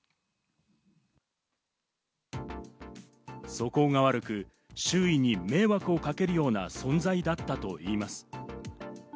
素行が悪く、周囲に迷惑をかけるような存在だったといいます。